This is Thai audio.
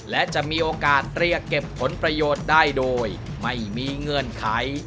และจะมีโอกาสเรียกเก็บผลประโยชน์ได้โดยไม่มีเงื่อนไข